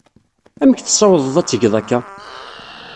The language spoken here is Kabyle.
Amek tessawḍeḍ ad tgeḍ akka?